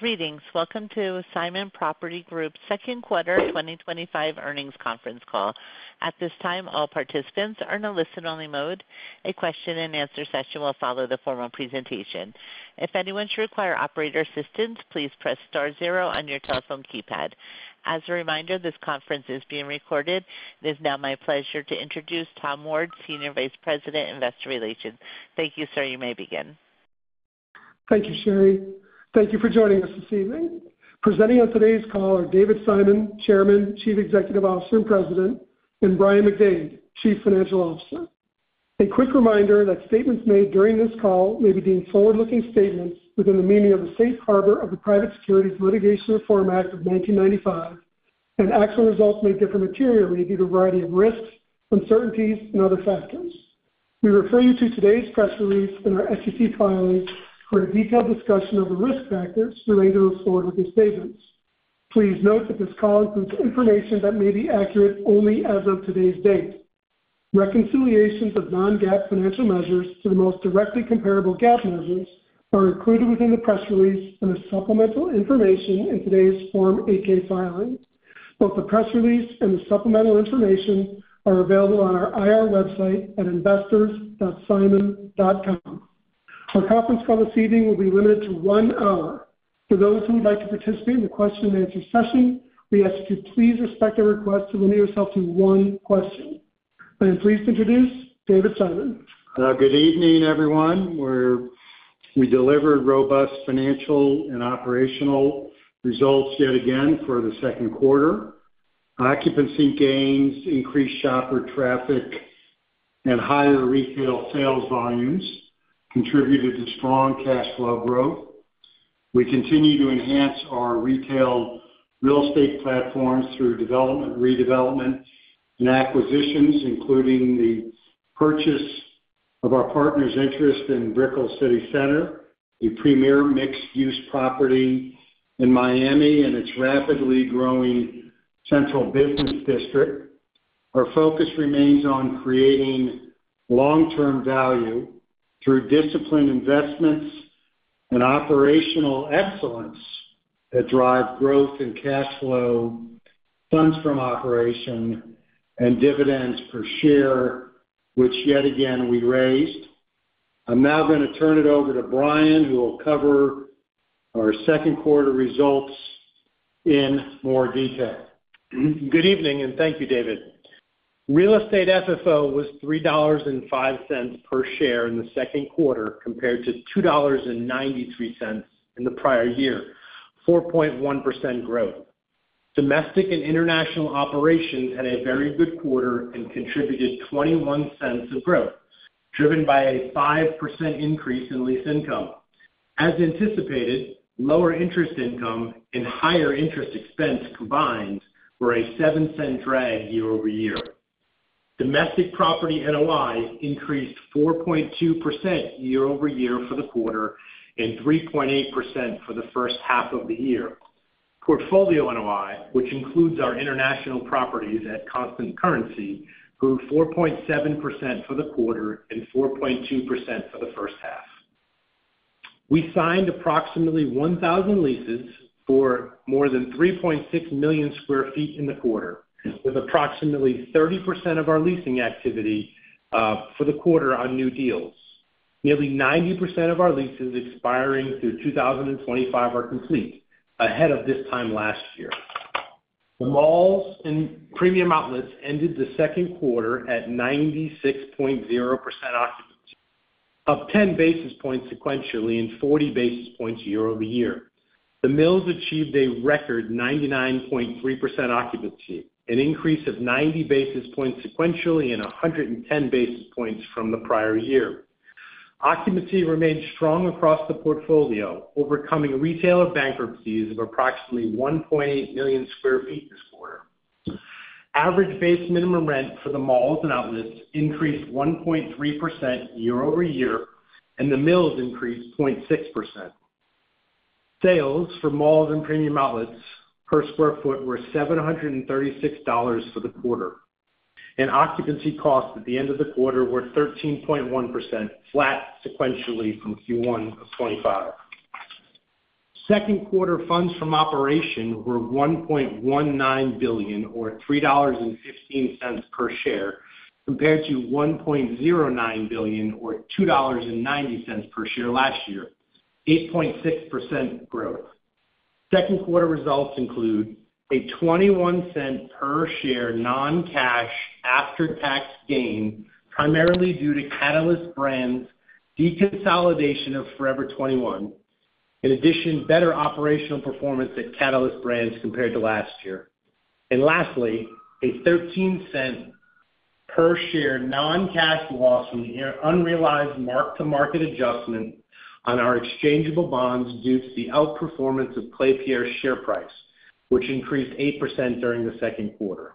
Greetings. Welcome to Simon Property Group's second quarter 2025 earnings conference call. At this time, all participants are in a listen-only mode. A question and answer session will follow the formal presentation. If anyone should require operator assistance, please press star zero on your telephone keypad. As a reminder, this conference is being recorded. It is now my pleasure to introduce Tom Ward, Senior Vice President, Investor Relations. Thank you, sir. You may begin. Thank you, Sherry. Thank you for joining us this evening. Presenting on today's call are David Simon, Chairman, Chief Executive Officer and President, and Brian McDade, Chief Financial Officer. A quick reminder that statements made during this call may be deemed forward-looking statements within the meaning of the safe harbor of the Private Securities Litigation Reform Act of 1995, and actual results may differ materially due to a variety of risks, uncertainties, and other factors. We refer you to today's press release and our SEC filings for a detailed discussion of the risk factors relating to moving forward with these statements. Please note that this call includes information that may be accurate only as of today's date. Reconciliations of non-GAAP financial measures to the most directly comparable GAAP measures are included within the press release and the supplemental information in today's Form 8-K filing. Both the press release and the supplemental information are available on our IR website at investors.simon.com. Our conference call this evening will be limited to one hour. For those who would like to participate in the question and answer session, we ask that you please respect our request to limit yourself to one question. I am pleased to introduce David Simon. Good evening, everyone. We delivered robust financial and operational results yet again for the second quarter. Occupancy gains, increased shopper traffic, and higher retail sales volumes contributed to strong cash flow growth. We continue to enhance our retail real estate platforms through development, redevelopment, and acquisitions, including the purchase of our partners' interest in Brickell City Centre, a premier mixed-use property in Miami and its rapidly growing central business district. Our focus remains on creating long-term value through disciplined investments and operational excellence that drive growth in cash flow, funds from operations, and dividends per share, which yet again we raised. I'm now going to turn it over to Brian, who will cover our second quarter results in more detail. Good evening and thank you, David. Real estate FFO was $3.05 per share in the second quarter compared to $2.93 in the prior year, 4.1% growth. Domestic and international operations had a very good quarter and contributed $0.21 of growth, driven by a 5% increase in lease income. As anticipated, lower interest income and higher interest expense combined were a $0.07 drag year-over-year. Domestic property NOI increased 4.2% year-over-year for the quarter and 3.8% for the first half of the year. Portfolio NOI, which includes our international properties at constant currency, grew 4.7% for the quarter and 4.2% for the first half. We signed approximately 1,000 leases for more than 3.6 million square feet in the quarter, with approximately 30% of our leasing activity for the quarter on new deals. Nearly 90% of our leases expiring through 2025 are complete, ahead of this time last year. The mall and Premium Outlets ended the second quarter at 96.0% occupancy, up 10 basis points sequentially and 40 basis points year-over-year. The Mills achieved a record 99.3% occupancy, an increase of 90 basis points sequentially and 110 basis points from the prior year. Occupancy remained strong across the portfolio, overcoming retailer bankruptcies of approximately 1.8 million square feet this quarter. Average base minimum rent for the malls and outlets increased 1.3% year-over-year, and the Mills increased 0.6%. Sales for malls and Premium Outlets per square foot were $736 for the quarter, and occupancy costs at the end of the quarter were 13.1%, flat sequentially from Q1 of 2025. Second quarter funds from operations were $1.19 billion, or $3.15 per share, compared to $1.09 billion, or $2.90 per share last year, 8.6% growth. Second quarter results include a $0.21 per share non-cash after-tax gain, primarily due to Catalyst Brands' deconsolidation of Forever 21. In addition, better operational performance at Catalyst Brands compared to last year. Lastly, a $0.13 per share non-cash loss from the unrealized mark-to-market adjustment on our exchangeable bonds due to the outperformance of Clay Pierce share price, which increased 8% during the second quarter.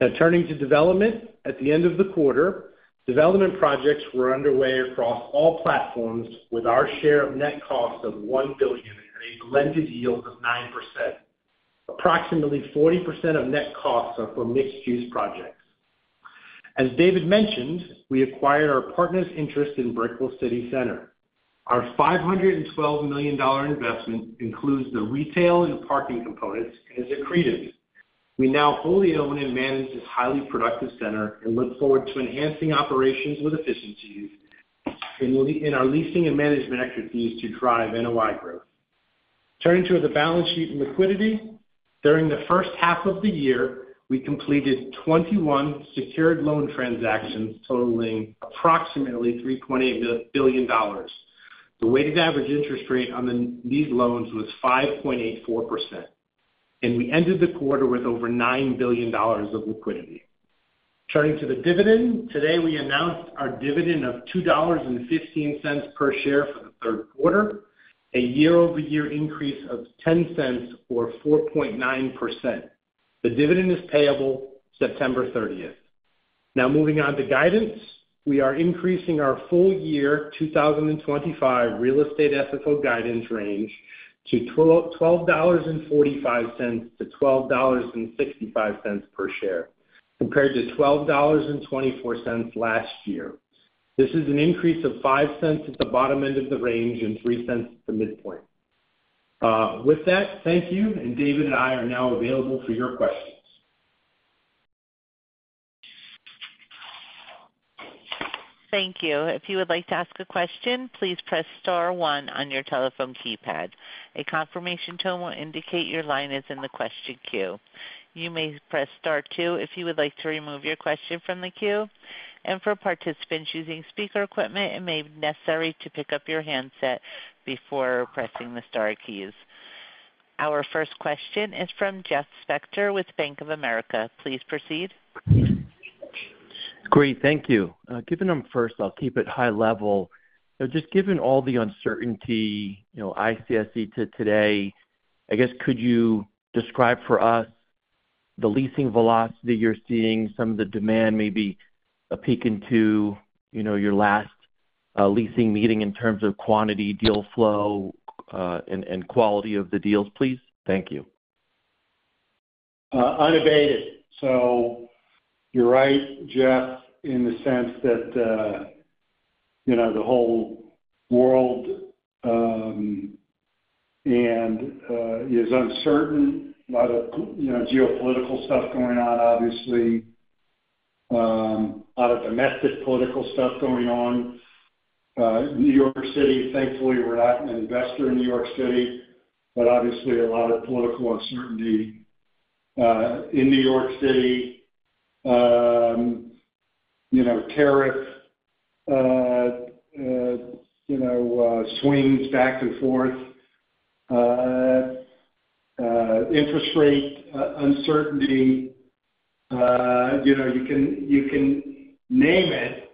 Now, turning to development at the end of the quarter, development projects were underway across all platforms with our share of net cost of $1 billion and a blended yield of 9%. Approximately 40% of net costs are for mixed-use projects. As David mentioned, we acquired our partners' interest in Brickell City Centre. Our $512 million investment includes the retail and parking components as accredited. We now fully own and manage this highly productive center and look forward to enhancing operations with efficiencies in our leasing and management expertise to drive NOI growth. Turning to the balance sheet and liquidity, during the first half of the year, we completed 21 secured loan transactions totaling approximately $3.8 billion. The weighted average interest rate on these loans was 5.84%, and we ended the quarter with over $9 billion of liquidity. Turning to the dividend, today we announced our dividend of $2.15 per share for the third quarter, a year-over-year increase of $0.10, or 4.9%. The dividend is payable September 30. Now, moving on to guidance, we are increasing our full-year 2025 real estate FFO guidance range to $12.45-$12.65 per share, compared to $12.24 last year. This is an increase of $0.05 at the bottom end of the range and $0.03 at the midpoint. With that, thank you, and David and I are now available for your questions. Thank you. If you would like to ask a question, please press star one on your telephone keypad. A confirmation tone will indicate your line is in the question queue. You may press star two if you would like to remove your question from the queue. For participants using speaker equipment, it may be necessary to pick up your handset before pressing the star keys. Our first question is from Jeff Spector with Bank of America. Please proceed. Great, thank you. Given that, first, I'll keep it high level. You know, just given all the uncertainty, you know, I see as to today, I guess could you describe for us the leasing velocity you're seeing, some of the demand, maybe a peek into, you know, your last leasing meeting in terms of quantity, deal flow, and quality of the deals, please? Thank you. Unabated. You're right, Jeff, in the sense that the whole world is uncertain. A lot of geopolitical stuff going on, obviously. A lot of domestic political stuff going on. New York City, thankfully, we're not an investor in New York City, but obviously a lot of political uncertainty in New York City tariff swings back and forth. Interest rate uncertainty. You can name it.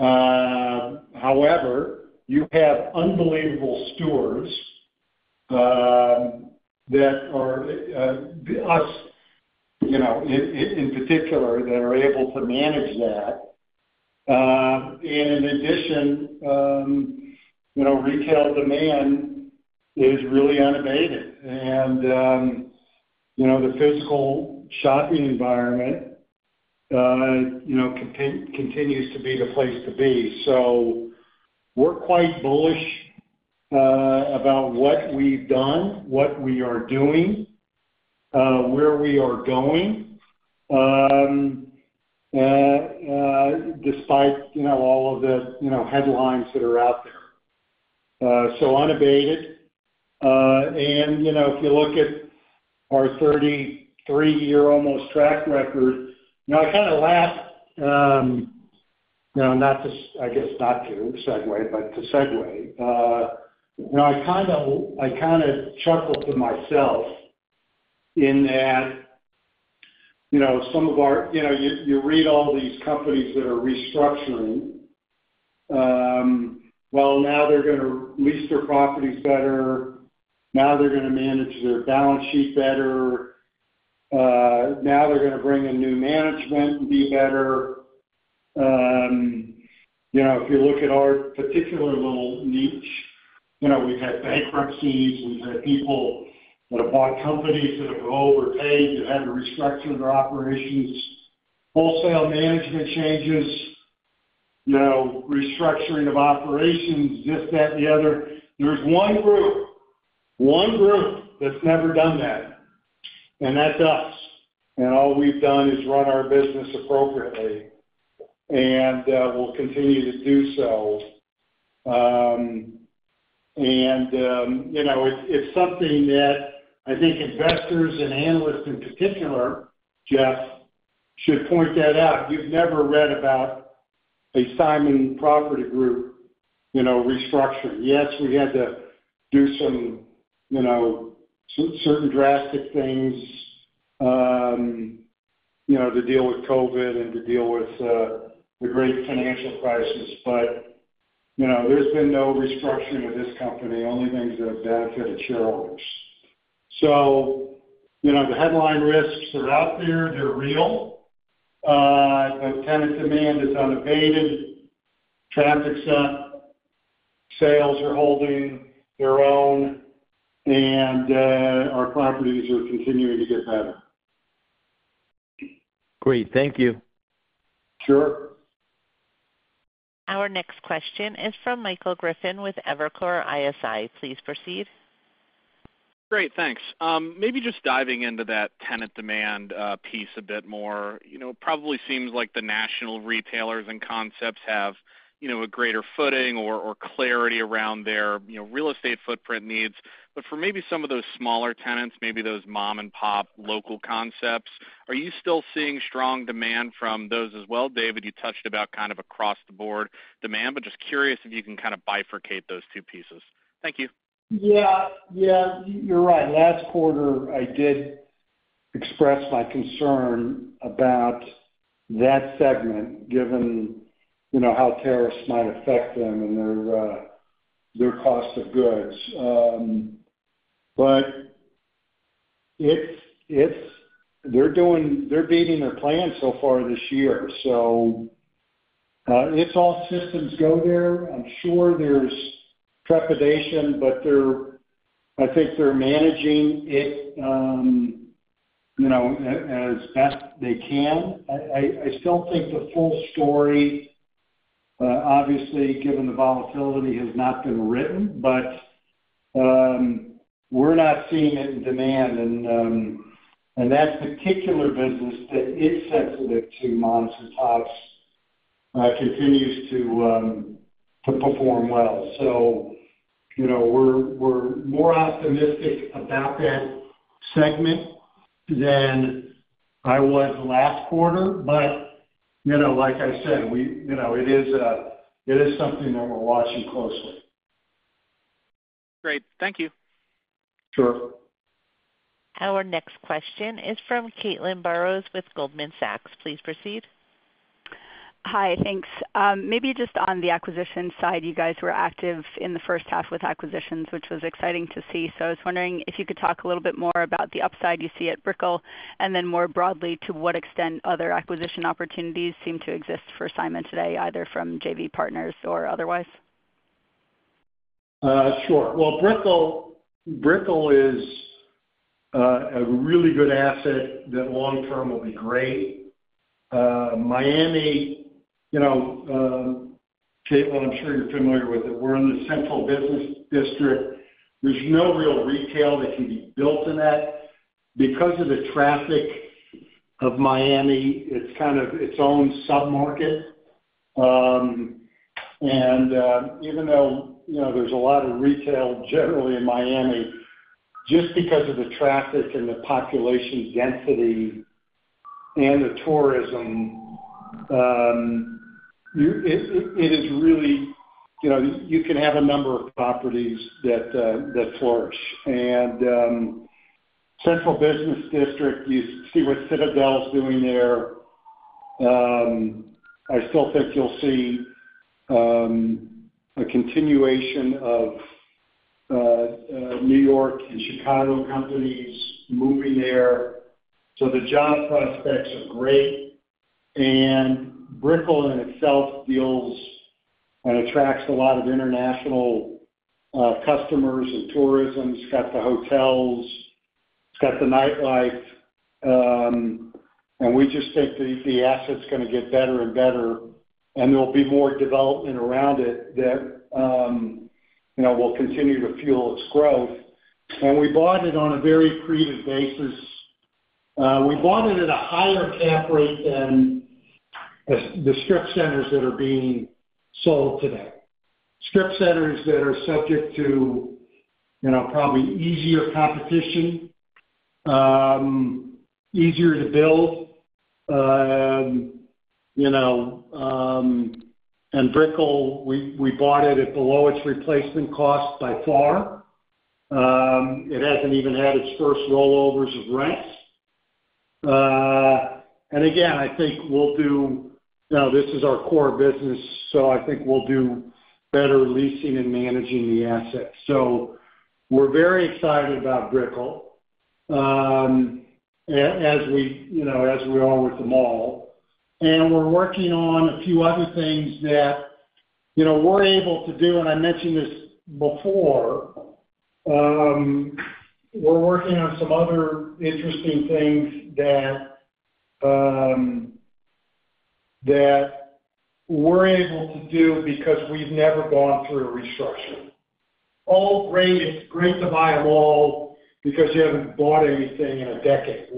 However, you have unbelievable stores that are us, in particular, that are able to manage that. In addition, retail demand is really unabated. The physical shopping environment continues to be the place to be. We're quite bullish about what we've done, what we are doing, where we are going, despite all of the headlines that are out there unabated. If you look at our 33-year almost track record, I kind of laugh, not to, I guess, not to segue, but to segue. I kind of chuckle to myself in that some of our, you read all these companies that are restructuring. Now they're going to lease their properties better, now they're going to manage their balance sheet better, now they're going to bring in new management and be better. If you look at our particular little niche, we've had bankruptcies we've had people that have bought companies that have been overpaid, that had to restructure their operations. Wholesale management changes. Restructuring of operations, this, that, and the other. There's one group, one group that's never done that. That's us. All we've done is run our business appropriately. We'll continue to do so. It's something that I think investors and analysts in particular, Jeff, should point that out. You've never read about a Simon Property Group restructuring. Yes, we had to do some certain drastic things to deal with COVID and to deal with the great financial crisis. There's been no restructuring of this company. Only things that have benefited Shell. The headline risks that are out there, they're real. Tenant demand is unabated, traffic's up, sales are holding their own. Our properties are continuing to get better. Great, thank you. Sure. Our next question is from Michael Griffin with Evercore ISI. Please proceed. Great, thanks. Maybe just diving into that tenant demand piece a bit more. It probably seems like the national retailers and concepts have a greater footing or clarity around their real estate footprint needs. For maybe some of those smaller tenants, maybe those mom-and-pop local concepts, are you still seeing strong demand from those as well, David? You touched about kind of across-the-board demand, just curious if you can kind of bifurcate those two pieces. Thank you. Yeah, you're right. Last quarter, I did express my concern about that segment, given, you know, how tariffs might affect them and their cost of goods. It's, they're doing, they're beating their plans so far this year. It's all systems go there. I'm sure there's trepidation, but they're, I think they're managing it as best they can. I still think the full story, obviously, given the volatility, has not been written, but we're not seeing it in demand. That particular business that is sensitive to moms and pops continues to perform well. We're more optimistic about that segment than I was last quarter. Like I said, it is something that we're watching closely. Great, thank you. Sure. Our next question is from Caitlin Burrows with Goldman Sachs. Please proceed. Hi, thanks. Maybe just on the acquisition side, you guys were active in the first half with acquisitions, which was exciting to see. I was wondering if you could talk a little bit more about the upside you see at Brickell and then more broadly to what extent other acquisition opportunities seem to exist for Simon today, either from JV partners or otherwise? Sure. Brickell is a really good asset that long-term will be great. Miami, you know, Caitlin, I'm sure you're familiar with it. We're in the central business district. There's no real retail that can be built in that. Because of the traffic of Miami, it's kind of its own submarket. Even though, you know, there's a lot of retail generally in Miami, just because of the traffic and the population density and the tourism, it is really, you know, you can have a number of properties that flourish. In the central business district, you see what Citadel's doing there. I still think you'll see a continuation of New York and Chicago companies moving there. The job prospects are great. Brickell in itself deals and attracts a lot of international customers and tourism. It's got the hotels. It's got the nightlife. We just think the asset's going to get better and better. There'll be more development around it that, you know, will continue to fuel its growth. We bought it on a very creative basis. We bought it at a higher F rate than the strip centers that are being sold today. Strip centers that are subject to, you know, probably easier competition, easier to build. Brickell, we bought it at below its replacement cost by far. It hasn't even had its first rollovers of rent. I think we'll do, you know, this is our core business. I think we'll do better leasing and managing the assets. We're very excited about Brickell, as we, you know, as we are with the mall. We're working on a few other things that, you know, we're able to do. I mentioned this before. We're working on some other interesting things that we're able to do because we've never gone through a restructuring. All great, great to buy a mall because you haven't bought anything in a decade.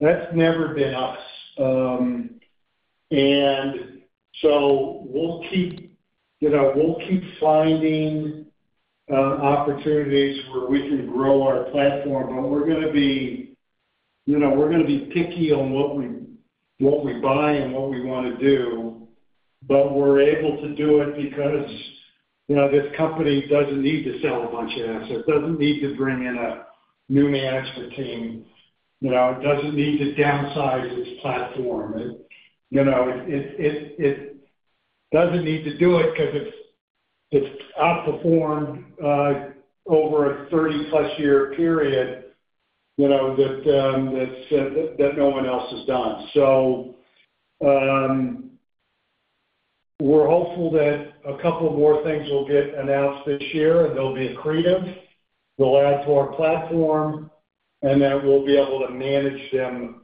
That's never been us. We'll keep, you know, we'll keep finding opportunities where we can grow our platform. We're going to be, you know, we're going to be picky on what we buy and what we want to do. We're able to do it because, you know, this company doesn't need to sell a bunch of assets. It doesn't need to bring in a new management team. It doesn't need to downsize its platform. It doesn't need to do it because it's outperformed over a 30+ year period, you know, that no one else has done. We're hopeful that a couple of more things will get announced this year, and they'll be accretive. They'll add to our platform, and that we'll be able to manage them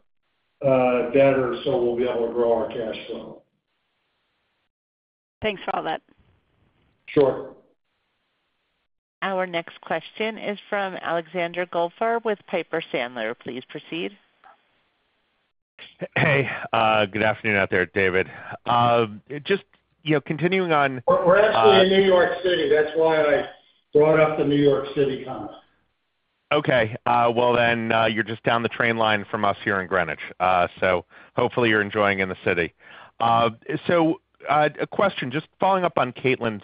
better, so we'll be able to grow our cash flow. Thanks for all that. Sure. Our next question is from Alexander Goldfarb with Piper Sandler. Please proceed. Hey, good afternoon out there, David. Just, you know, continuing on. We're actually in New York City. That's why I brought up the New York City comment. Okay. You're just down the train line from us here in Greenwich, so hopefully you're enjoying the city. A question. Just following up on Caitlin's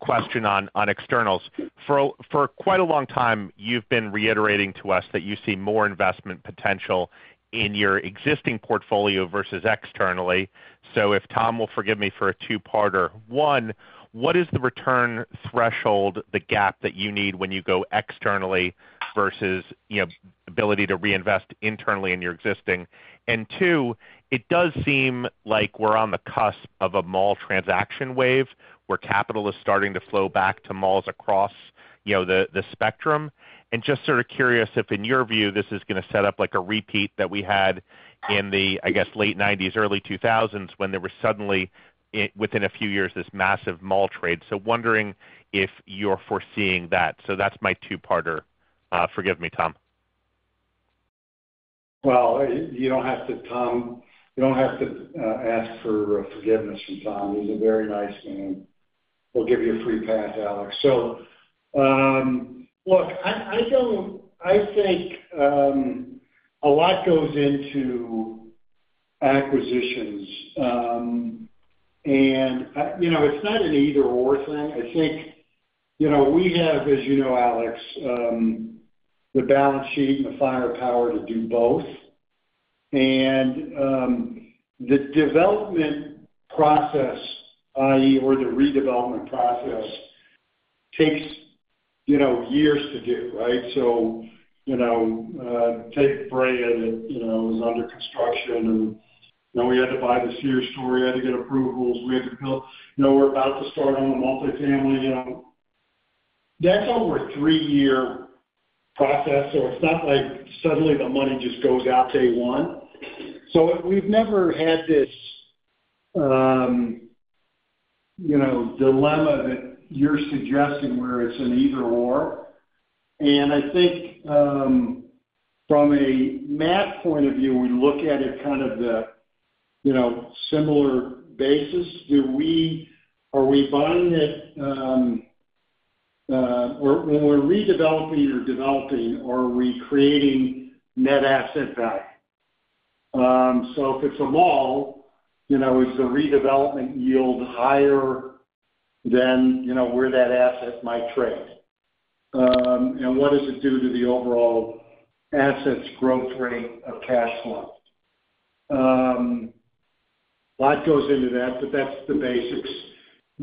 question on externals. For quite a long time, you've been reiterating to us that you see more investment potential in your existing portfolio versus externally. If Tom will forgive me for a two-parter. One, what is the return threshold, the gap that you need when you go externally versus the ability to reinvest internally in your existing? Two, it does seem like we're on the cusp of a mall transaction wave where capital is starting to flow back to malls across the spectrum. I'm just sort of curious if, in your view, this is going to set up like a repeat that we had in the late 1990s, early 2000s when there was suddenly, within a few years, this massive mall trade. Wondering if you're foreseeing that. That's my two-parter. Forgive me, Tom. You don't have to ask for forgiveness from Tom. He's a very nice man. We'll give you a sweet pat, Alex. I think a lot goes into acquisitions. It's not an either/or thing. We have, as you know, Alex, the balance sheet and the firepower to do both. The development process, i.e., or the redevelopment process, takes years to do, right? Tate's Brain is under construction. We had to buy the steer store, we had to get approvals, we're about to start on a multifamily. That's over a three-year process. It's not like suddenly the money just goes out day one. We've never had this dilemma that you're suggesting where it's an either/or. From a math point of view, we look at it on a similar basis, are we buying it, or when we're redeveloping or developing, are we creating net asset value? If it's a mall, is the redevelopment yield higher than where that asset might trade? What does it do to the overall asset's growth rate of cash flow? A lot goes into that, but that's the basics.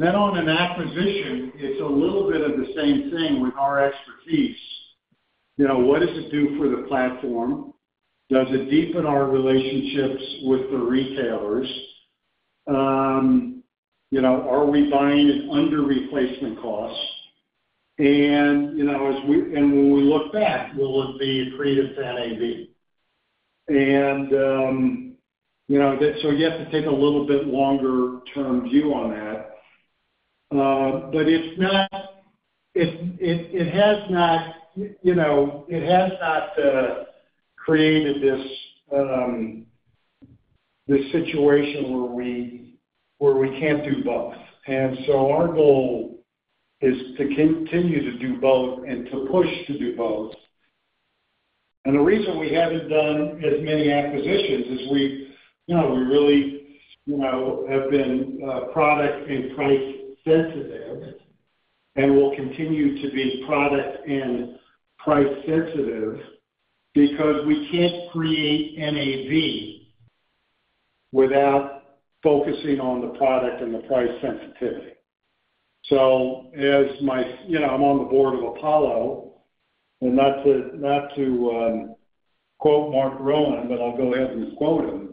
On an acquisition, it's a little bit of the same thing with our expertise. What does it do for the platform? Does it deepen our relationships with the retailers? Are we buying it under replacement cost? When we look back, will it be accretive to that NAV? You have to take a little bit longer-term view on that. It has not created this situation where we can't do both. Our goal is to continue to do both and to push to do both. The reason we haven't done as many acquisitions is we really have been product and price sensitive. We'll continue to be product and price sensitive because we can't create NAV without focusing on the product and the price sensitivity. As my, you know, I'm on the board of Apollo, and not to quote Mark Rowan, but I'll go ahead and quote him.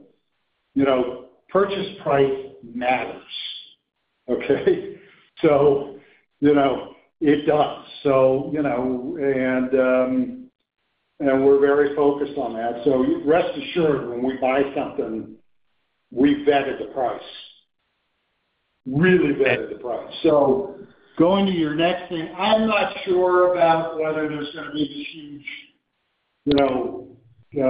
Purchase price matters, okay? It does. We're very focused on that. Rest assured, when we buy something, we vetted the price. Really vetted the price. Going to your next thing, I'm not sure about whether there's going to be huge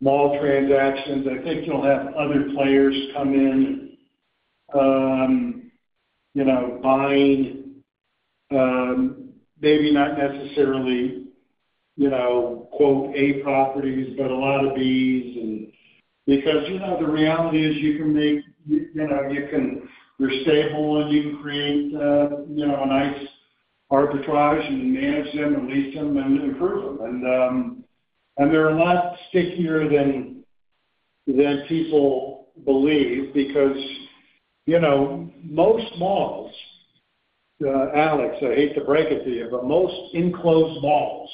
mall transactions. I think you'll have other players come in, you know, buying, maybe not necessarily, you know, quote, A properties, but a lot of Bs. The reality is you can make, you know, you can, there's say-holing, you can create, you know, nice arbitrage. You can manage them and lease them and improve them. They're a lot stickier than people believe because, you know, most malls, Alex, I hate to break it to you, but most enclosed malls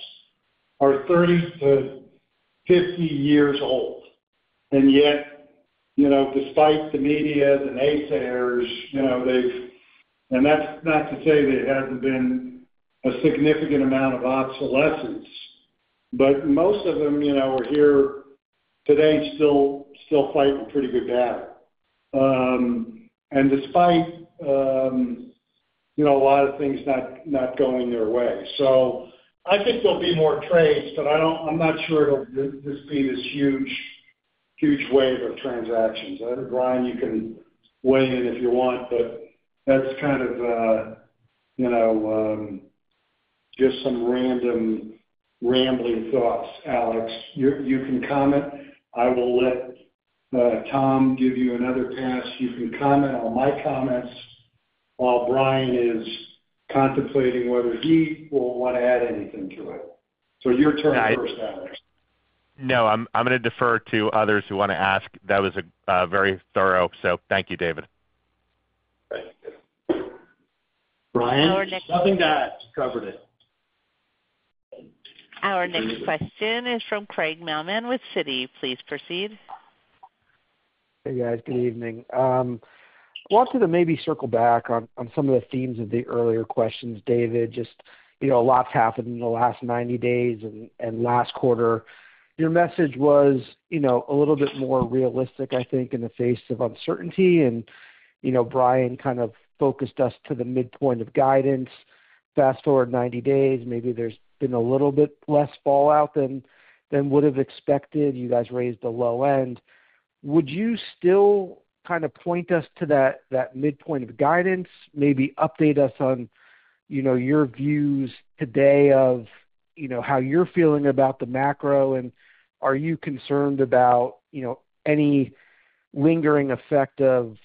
are 30-50 years old. Yet, you know, despite the media and the naysayers, they've, and that's not to say there hasn't been a significant amount of obsolescence. Most of them, you know, are here today still, still fighting a pretty good battle, despite, you know, a lot of things not going their way. I think there'll be more trades, but I'm not sure it'll just be this huge, huge wave of transactions. That is, Brian, you can weigh in if you want, but that's kind of, you know, just some random rambling thoughts, Alex. You can comment. I will let Tom give you another pass. You can comment on my comments while Brian is contemplating whether he will want to add anything to it. Your turn first, Alex. No, I'm going to defer to others who want to ask. That was very thorough, so thank you, David. Brian? Nothing to add, covered it. Our next question is from Craig Mailman with Citi. Please proceed. Hey, guys. Good evening. I wanted to maybe circle back on some of the themes of the earlier questions, David. Just, you know, a lot's happened in the last 90 days and last quarter. Your message was, you know, a little bit more realistic, I think, in the face of uncertainty. You know, Brian kind of focused us to the midpoint of guidance. Fast forward 90 days, maybe there's been a little bit less fallout than would have expected. You guys raised the low end. Would you still kind of point us to that midpoint of guidance? Maybe update us on, you know, your views today of, you know, how you're feeling about the macro. Are you concerned about any lingering effect of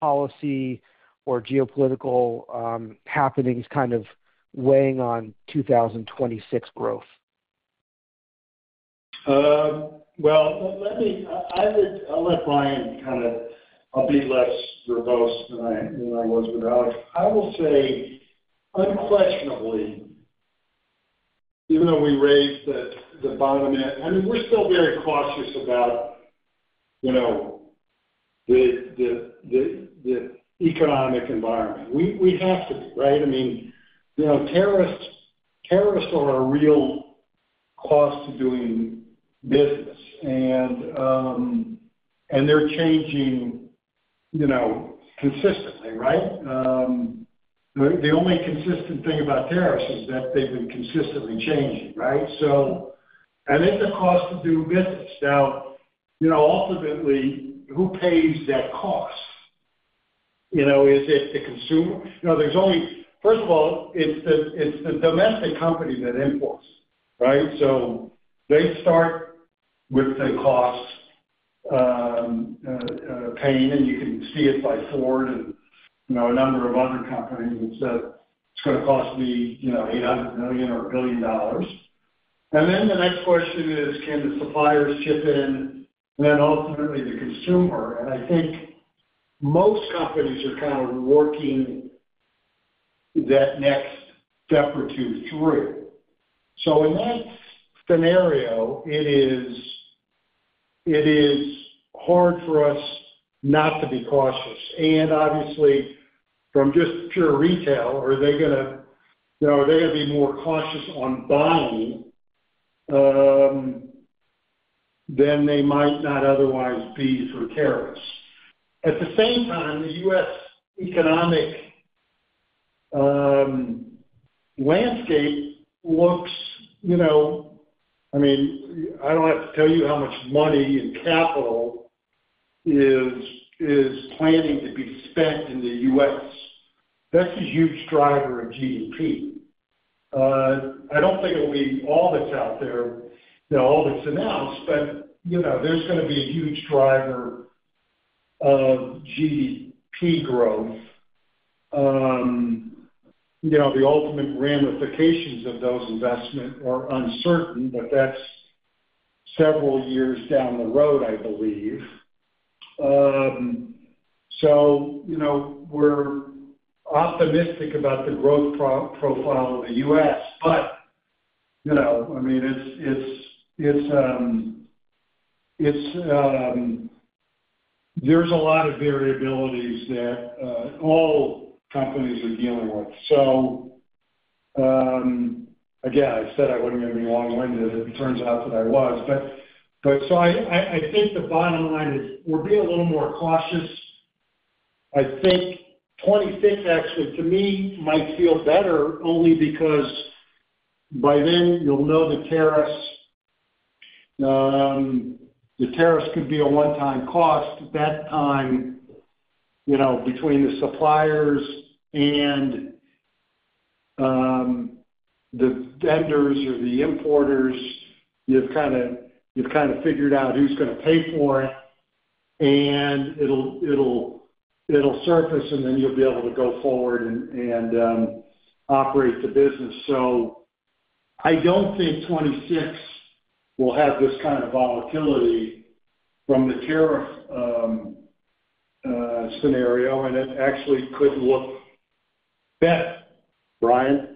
policy or geopolitical happenings kind of weighing on 2026 growth? Let me, I'll let Brian kind of, I'll be less robust than I was with Alex. I will say, unquestionably, even though we raised the bottom end, we're still very cautious about the economic environment. We have to be, right? I mean, you know, tariffs are a real cost to doing business, and they're changing consistently, right? The only consistent thing about tariffs is that they've been consistently changing, right? It's a cost to do business. Now, ultimately, who pays that cost? Is it the consumer? No, first of all, it's the domestic company that imports, right? They start with the cost, pain, and you can see it by Ford and a number of other companies that said it's going to cost me $800 million or $1 billion. The next question is, can the suppliers chip in? Then ultimately, the consumer. I think most companies are kind of working that next step or two through. In that scenario, it is hard for us not to be cautious. Obviously, from just pure retail, are they going to be more cautious on buying than they might not otherwise be for tariffs? At the same time, the U.S. economic landscape looks, I mean, I don't have to tell you how much money and capital is planning to be spent in the U.S. That's a huge driver of GDP. I don't think it'll be all that's out there, all that's announced, but there's going to be a huge driver of GDP growth. The ultimate ramifications of those investments are uncertain, but that's several years down the road, I believe. We're optimistic about the growth profile of the U.S., but there's a lot of variabilities that all companies are dealing with. I said I wasn't going to be long-winded. It turns out that I was. I think the bottom line is we're being a little more cautious. I think 2025 actually, to me, might feel better only because by then you'll know the tariffs. The tariffs could be a one-time cost. That time, between the suppliers and the vendors or the importers, you've kind of figured out who's going to pay for it. It'll surface, and then you'll be able to go forward and operate the business. I don't think 2026 will have this kind of volatility from the tariff scenario, and it actually could look better. Brian.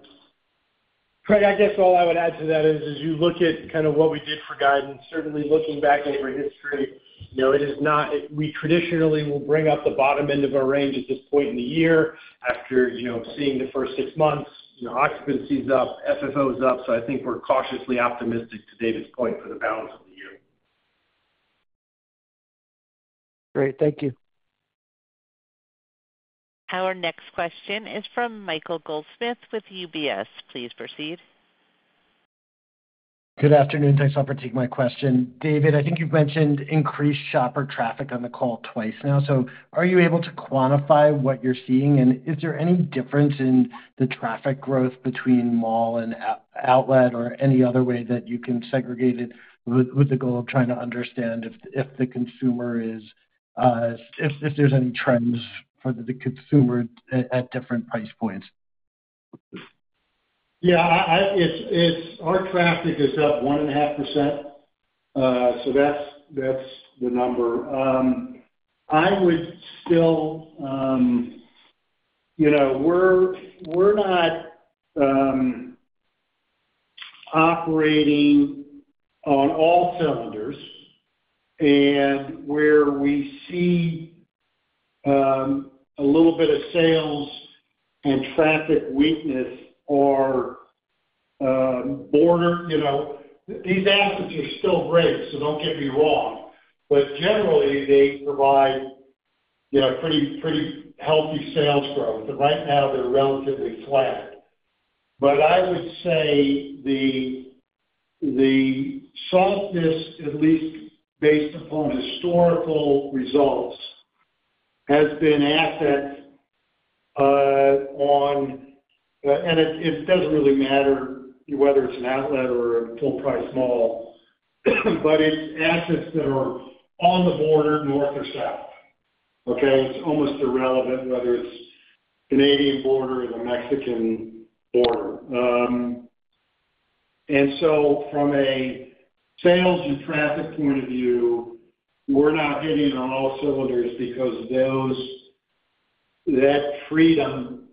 Craig, I guess all I would add to that is, as you look at kind of what we did for guidance, certainly looking back at your history, it is not, we traditionally will bring up the bottom end of our range at this point in the year after seeing the first six months. Occupancy is up, FFO is up. I think we're cautiously optimistic to David's point for the balance. Great, thank you. Our next question is from Michael Goldsmith with UBS. Please proceed. Good afternoon. Thanks a lot for taking my question. David, I think you've mentioned increased shopper traffic on the call twice now. Are you able to quantify what you're seeing? Is there any difference in the traffic growth between mall and outlet or any other way that you can segregate it with the goal of trying to understand if the consumer is, if there's any trends for the consumer at different price points? Yeah, our traffic is up 1.5%. That's the number. I would still, you know, we're not operating on all cylinders. Where we see a little bit of sales and traffic weakness are border, you know, these assets are still great, so don't get me wrong. Generally, they provide pretty healthy sales growth. Right now, they're relatively flat. I would say the softness, at least based upon historical results, has been assets on, and it doesn't really matter whether it's an outlet or a full-price mall. It's assets that are on the border north or south, okay? It's almost irrelevant whether it's a Canadian border or the Mexican border. From a sales and traffic point of view, we're not hitting on all cylinders because that freedom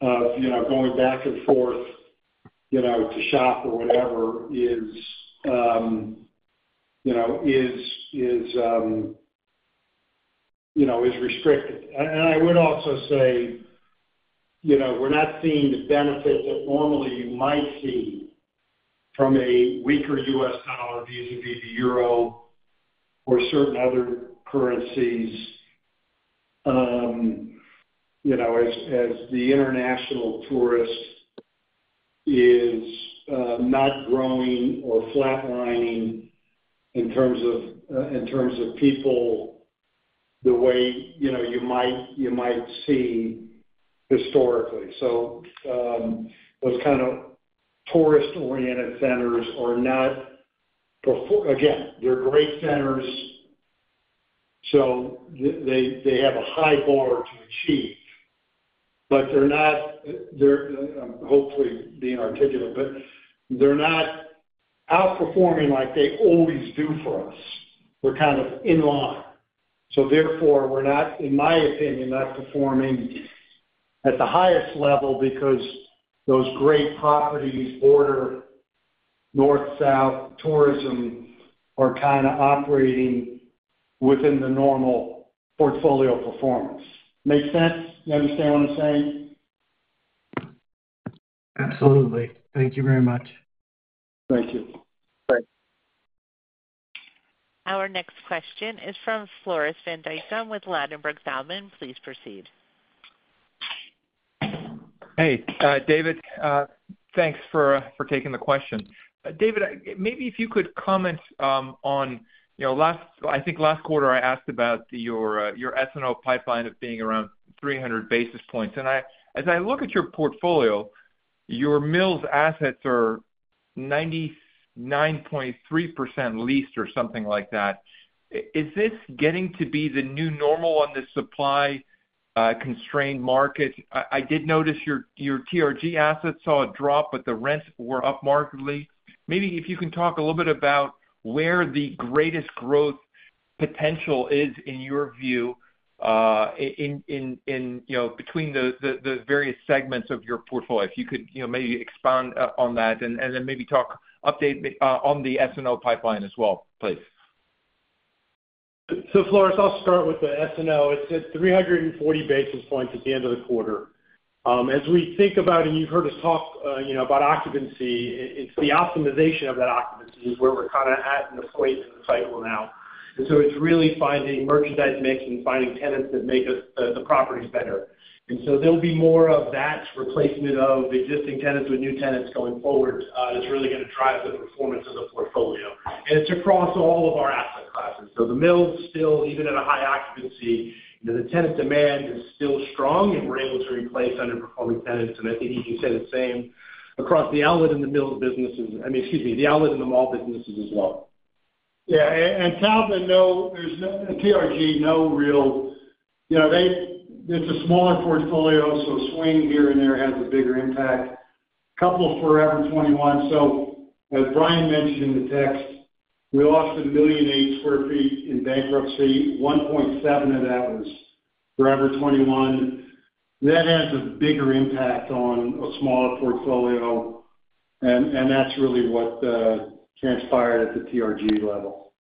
of going back and forth to shop or whatever is restricted. I would also say we're not seeing the benefit that normally you might see from a weaker U.S. dollar, vis-à-vis the euro or certain other currencies, as the international tourist is not growing or flatlining in terms of people the way you might see historically. Those kind of tourist-oriented centers are not, again, they're great centers, so they have a high bar to achieve. They're not outperforming like they always do for us. We're kind of in-law. Therefore, we're not, in my opinion, not performing at the highest level because those great properties border north-south tourism are kind of operating within the normal portfolio performance. Make sense? You understand what I'm saying? Absolutely. Thank you very much. Thank you. Thanks. Our next question is from Floris van Dijkum with Compass Point. Please proceed. Hey, David. Thanks for taking the question. David, maybe if you could comment on, you know, last, I think last quarter I asked about your S&O pipeline of being around 300 basis points. As I look at your portfolio, your Mills assets are 99.3% leased or something like that. Is this getting to be the new normal in the supply-constrained market? I did notice your TRG assets saw a drop, but the rents were up markedly. Maybe if you can talk a little bit about where the greatest growth potential is in your view, in, you know, between the various segments of your portfolio. If you could maybe expound on that and then maybe update on the S&O pipeline as well, please. Floris, I'll start with the S&O. It's at 340 basis points at the end of the quarter. As we think about, and you've heard us talk about occupancy, it's the optimization of that occupancy is where we're kind of at in the point in the cycle now. It's really finding merchandise mix and finding tenants that make the property better. There will be more of that replacement of existing tenants with new tenants going forward. It's really going to drive the performance of the portfolio, and it's across all of our asset classes. The Mills still, even at a high occupancy, the tenant demand is still strong, and we're able to replace underperforming tenants. You can say the same across the outlet and the mall businesses as well. Tom, no, there's no TRG, no real, you know, it's a smaller portfolio, so a swing here and there has a bigger impact. A couple Forever 21. As Brian mentioned in the text, we lost 1.8 million sq ft in bankruptcy. 1.7 million of that was Forever 21. That has a bigger impact on a smaller portfolio, and that's really what transpired at the TRG level.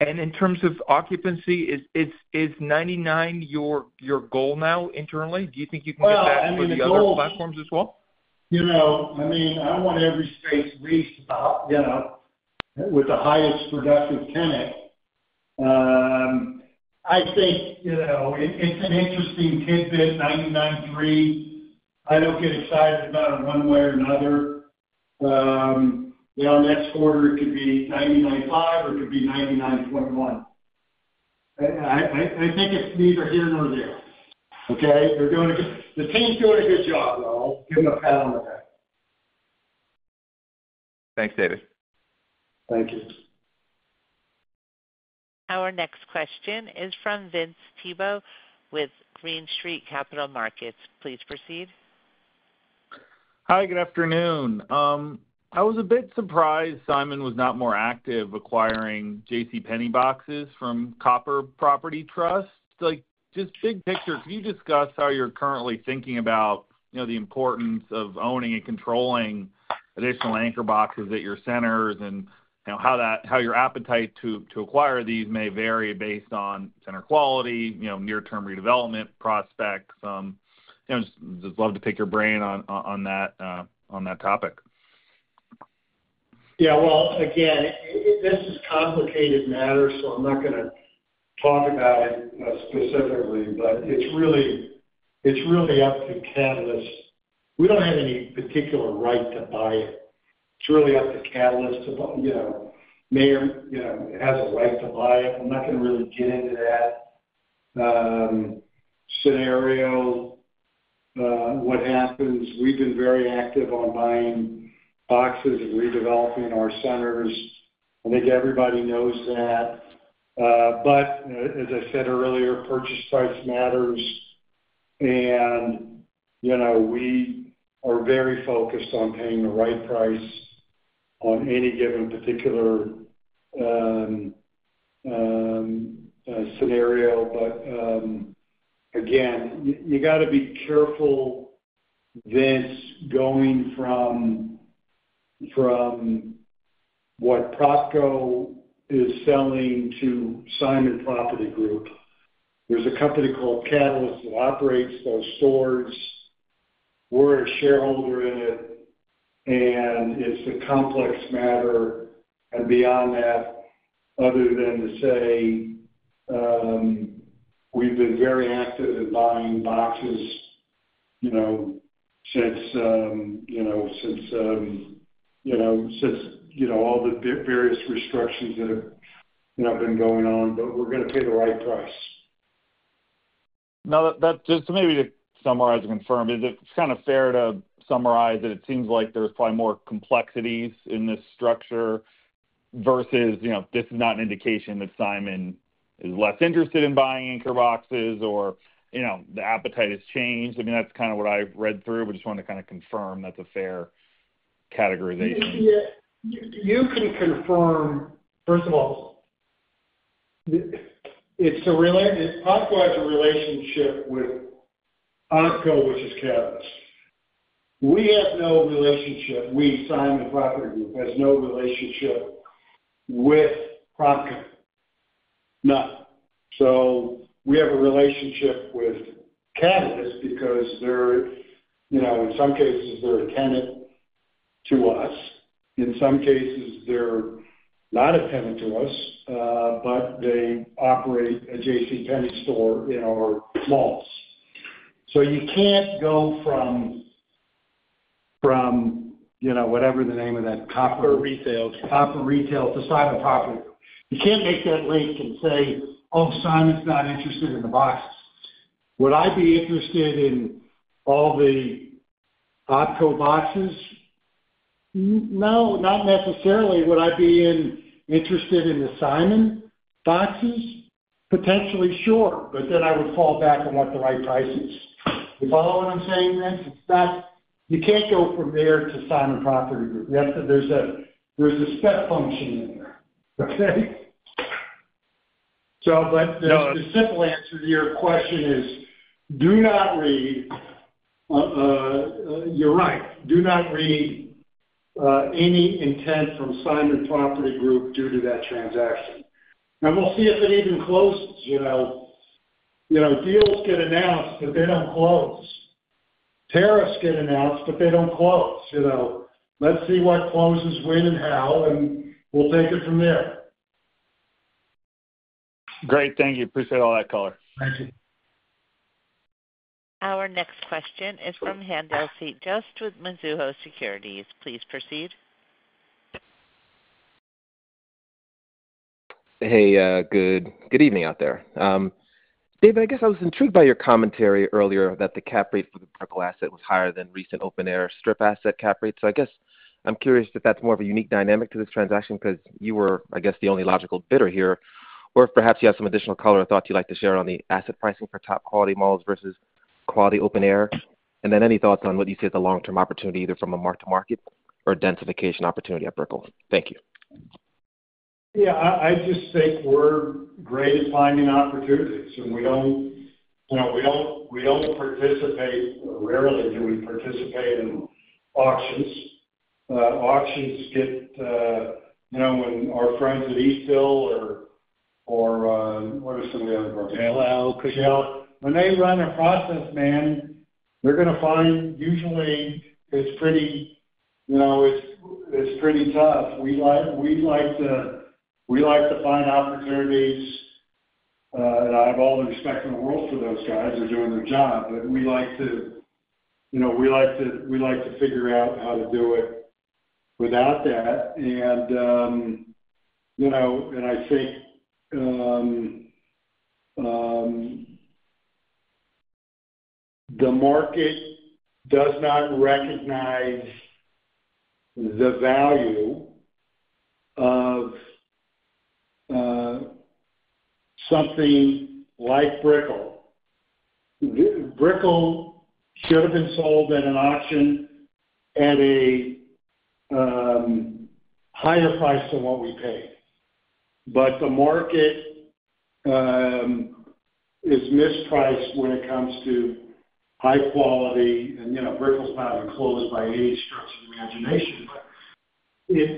In terms of occupancy, is 99 your goal now internally? Do you think you can get that in the global platforms as well? You know, I want every six weeks about, you know, with the highest productive tenant. I think it's an interesting tidbit. 99.3%, I don't get excited about it one way or another. Next quarter, it could be 99.95%, or it could be 99.1%. I think it's neither here nor there. They're going to, the team's doing a good job, though. I'll give them a pat on the back. Thanks, David. Thank you. Our next question is from Vince Tibone with Green Street. Please proceed. Hi, good afternoon. I was a bit surprised Simon was not more active acquiring J.C. Penney boxes from Copper Property Trust. Just big picture, could you discuss how you're currently thinking about the importance of owning and controlling additional anchor boxes at your centers and how your appetite to acquire these may vary based on center quality, near-term redevelopment prospects? I'd just love to pick your brain on that topic. Yeah, this is a complicated matter, so I'm not going to talk about it specifically, but it's really up to the catalyst. We don't have any particular right to buy it. It's really up to the catalyst to, you know, mayor, you know, has a right to buy it. I'm not going to really get into that scenario, what happens. We've been very active on buying boxes and redeveloping our centers. I think everybody knows that. As I said earlier, purchase price matters, and we are very focused on paying the right price on any given particular scenario. Again, you got to be careful this going from what PROSOCO is selling to Simon Property Group. There's a company called Catalyst that operates those stores. We're a shareholder in it. It's a complex matter. Beyond that, other than to say, we've been very active in buying boxes since all the various restrictions that have been going on, but we're going to pay the right price. Now, just to maybe summarize and confirm, is it kind of fair to summarize that it seems like there's probably more complexities in this structure versus, you know, this is not an indication that Simon Property Group is less interested in buying anchor boxes or, you know, the appetite has changed? I mean, that's kind of what I read through, but I just wanted to kind of confirm that's a fair categorization. Yeah, you can confirm, first of all, it's a related, it's optimized a relationship with PROSOCO, which is Catalyst. We have no relationship. We, Simon Property Group, has no relationship with PROSOCO. None. We have a relationship with Catalyst because they're, you know, in some cases, they're a tenant to us. In some cases, they're not a tenant to us, but they operate a J.C. Penney store, you know, or malls. You can't go from, you know, whatever the name of that, Copper Retail to Simon Property. You can't make that link and say, "Oh, Simon's not interested in the boxes." Would I be interested in all the Opco boxes? No, not necessarily. Would I be interested in the Simon boxes? Potentially, sure. I would fall back on what the right price is. You follow what I'm saying, Vince? You can't go from there to Simon Property Group. You have to, there's a step function in there. The simple answer to your question is, do not read, you're right, do not read any intent from Simon Property Group due to that transaction. We'll see if it even closes. Deals get announced and they don't close. Tariffs get announced, but they don't close. Let's see what closes when and how, and we'll take it from there. Great. Thank you. Appreciate all that, Carter. Our next question is from Haendel St. Juste with Mizuho Securities. Please proceed. Hey, good evening out there. David, I guess I was intrigued by your commentary earlier that the cap rate for the purple asset was higher than recent open-air strip asset cap rates. I'm curious if that's more of a unique dynamic to this transaction because you were the only logical bidder here, or perhaps you have some additional color or thoughts you'd like to share on the asset pricing for top quality malls versus quality open-air. Any thoughts on what you see as the long-term opportunity, either from a mark-to-market or a densification opportunity at Brickell. Thank you. Yeah, I just think we're great at finding opportunities. We don't participate, rarely do we participate in auctions. Auctions get, you know, when our friends at Eastdil or, or what are some of the others, Vanilla, Oakleigh, when they run a process, man, they're going to find, usually, it's pretty, you know, it's pretty tough. We like to find opportunities. I have all the respect in the world for those guys who are doing their job. We like to figure out how to do it without that. I think the market does not recognize the value of something like Brickell. Brickell should have been sold at an auction at a higher price than what we paid. The market is mispriced when it comes to high quality. Brickell's not on a closing by any stretch of the imagination.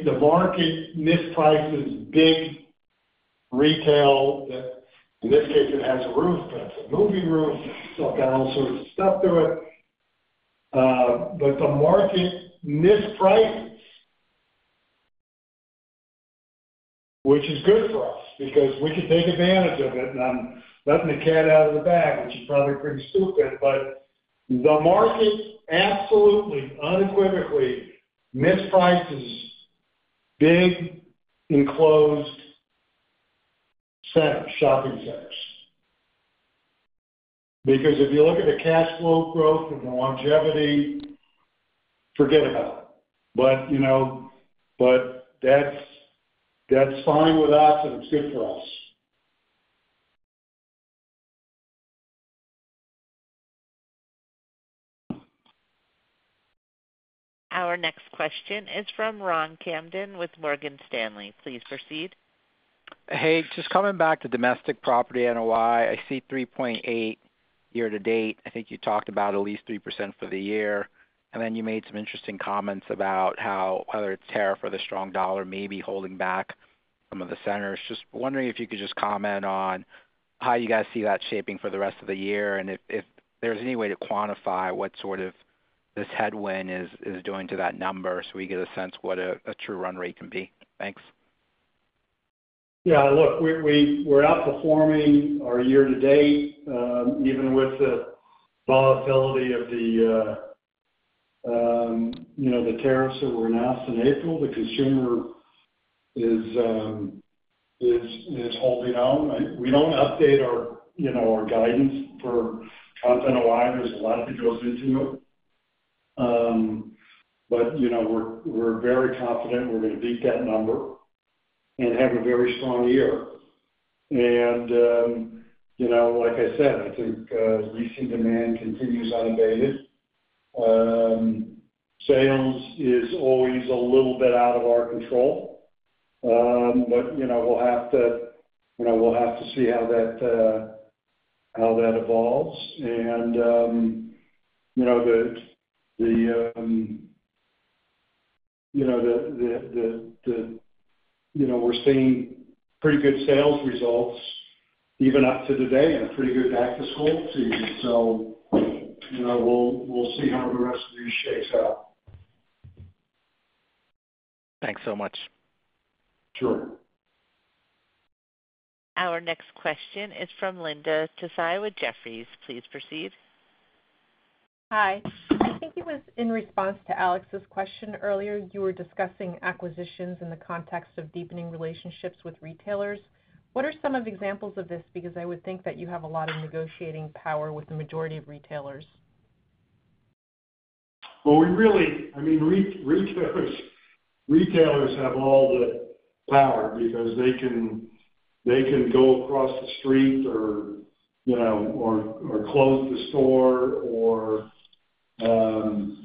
The market misprices big retail. They're mistaken as a roof, but it's a moving roof. So I got all sorts of stuff to it. The market mispriced, which is good for us because we could take advantage of it. I'm letting the cat out of the bag, which is probably pretty stupid. The market absolutely, unequivocally, misprices big enclosed shopping centers. If you look at the cash flow growth and the longevity, forget about it. That's fine with us, and it's good for us. Our next question is from Ronald Kamdem with Morgan Stanley. Please proceed. Hey, just coming back to domestic property NOI. I see 3.8% year-to-date. I think you talked about at least 3% for the year. You made some interesting comments about how whether it's tariff or the strong dollar may be holding back some of the centers. Just wondering if you could comment on how you guys see that shaping for the rest of the year and if there's any way to quantify what sort of this headwind is doing to that number so we get a sense of what a true run rate can be. Thanks. Yeah, look, we're outperforming our year-to-date, even with the volatility of the tariffs that were announced in April. The consumer is holding on. We don't update our guidance for up NOI. There's a lot that goes into it, but we're very confident we're going to beat that number and have a very strong year. Like I said, I think leasing demand continues unabated. Sales is always a little bit out of our control. We'll have to see how that evolves. We're seeing pretty good sales results even up to today and a pretty good back-to-school season. We'll see how the rest of these shakes out. Thanks so much. Sure. Our next question is from Linda Tsai with Jefferies. Please proceed. Hi. I'm just thinking, was in response to Alex's question earlier, you were discussing acquisitions in the context of deepening relationships with retailers. What are some of the examples of this? I would think that you have a lot of negotiating power with the majority of retailers Retailers have all the power because they can go across the street or close the store or go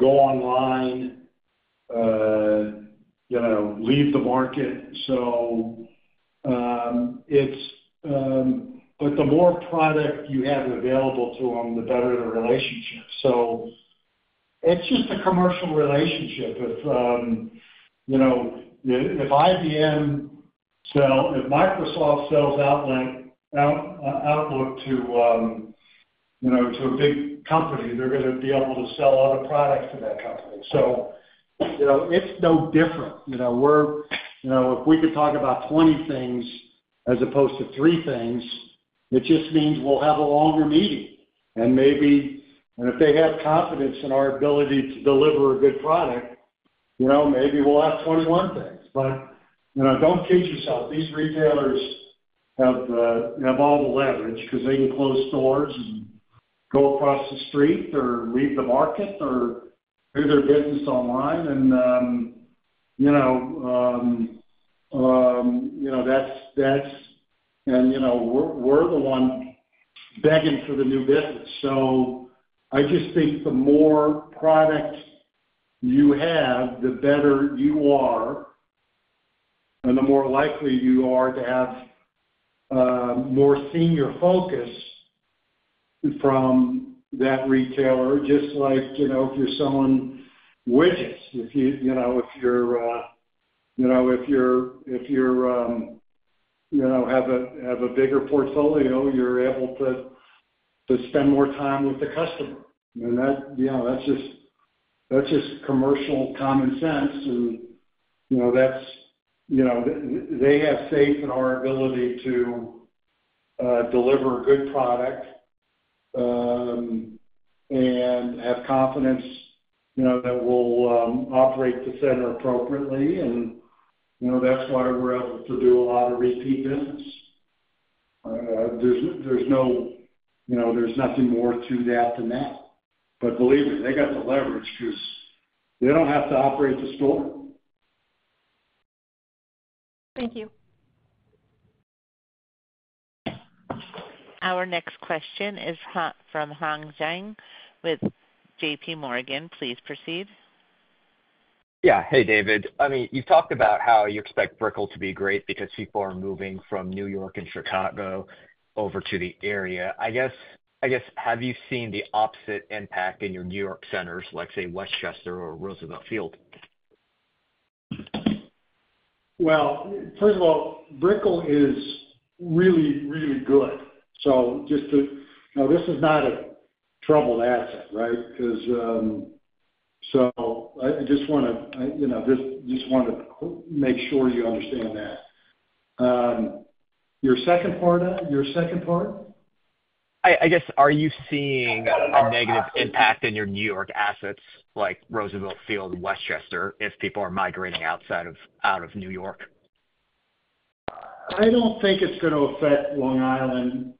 online, leave the market. The more product you have available to them, the better the relationship. It's just a commercial relationship. If Microsoft sells out to a big company, they're going to be able to sell other products to that company. It's no different. If we could talk about 20 things as opposed to three things, it just means we'll have a longer meeting. If they have confidence in our ability to deliver a good product, maybe we'll have 21 things. Don't kid yourself. These retailers have all the leverage because they can close doors and go across the street or leave the market or do their business online. We're the one begging for the new business. The more product you have, the better you are, and the more likely you are to have more senior focus from that retailer. Just like if you're selling widgets, if you have a bigger portfolio, you're able to spend more time with the customer. That's just commercial common sense. They have faith in our ability to deliver a good product and have confidence that we'll operate the center appropriately. That's why we're able to do a lot of repeat business. There's nothing more to that than that. Believe me, they got the leverage too. You don't have to operate the store. Thank you. Our next question is from Hong Zhang with JPMorgan. Please proceed. Yeah. Hey, David. I mean, you've talked about how you expect Brickell to be great because people are moving from New York and Chicago over to the area. I guess, have you seen the opposite impact in your New York centers, like say Westchester or Roosevelt Field? First of all, Brickell is really, really good. This is not a troubled asset, right? I just want to make sure you understand that. Your second part, your second part? I guess, are you seeing a negative impact in your New York assets like Roosevelt Field, Westchester if people are migrating out of New York? I don't think it's going to affect Long Island.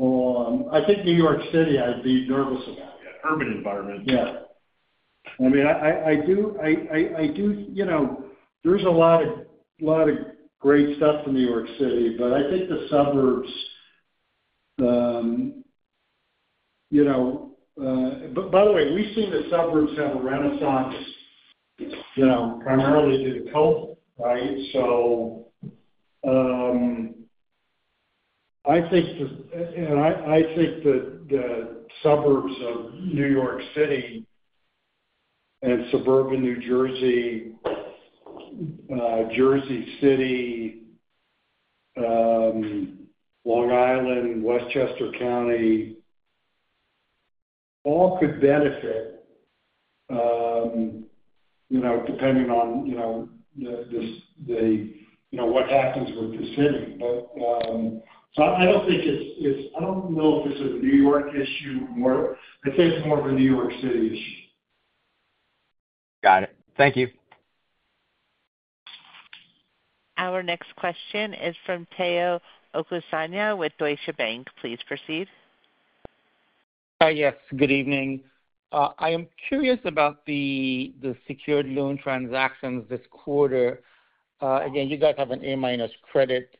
I think New York City, I'd be nervous about it. I'm going to butter him. Yeah, I mean, I do. There's a lot of great stuff in New York City, but I think the suburbs, by the way, we've seen the suburbs have a renaissance, primarily due to COVID, right? I think the suburbs of New York City and suburban New Jersey, Jersey City, Long Island, Westchester County, all could benefit, depending on what happens with the city. I don't think it's, I don't know if it's a New York issue. I'd say it's more of a New York City issue. Got it. Thank you. Our next question is from Omotayo Okusanya with Deutsche Bank. Please proceed. Yes. Good evening. I am curious about the secured loan transactions this quarter. You guys have an A-minus credit.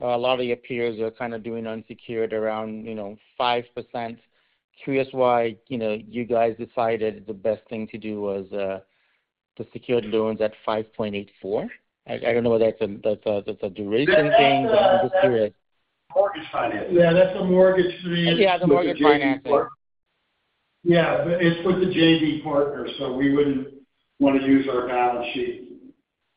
A lot of your peers are kind of doing unsecured around, you know, 5%. Curious why you guys decided the best thing to do was the secured loans at 5.84%. I don't know whether that's a duration thing, but I'm just curious. Mortgage financing. Yeah, that's mortgage financing. Yeah, the mortgage financing. Yeah, it's with the JV partner, so we wouldn't want to use our balance sheet.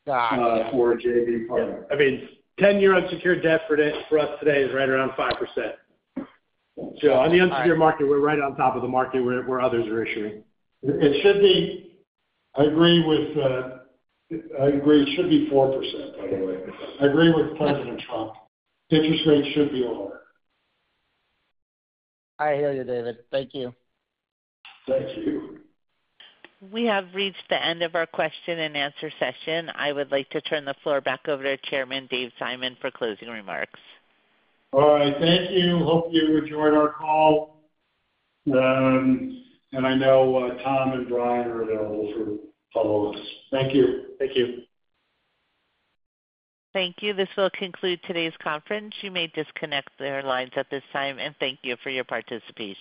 Got it. For a JV partner, I mean, 10-year unsecured debt for up today is right around 5%. On the unsecured market, we're right on top of the market where others are issuing. It should be, I agree with, I agree it should be 4%. Anyway, I agree with President Trump. Interest rates should be lower. I hear you, David. Thank you. We have reached the end of our question and answer session. I would like to turn the floor back over to Chairman David Simon for closing remarks. All right. Thank you. Hope you enjoyed our call. I know Tom and Brian are available for all of us. Thank you. Thank you. Thank you. This will conclude today's conference. You may disconnect your lines at this time, and thank you for your participation.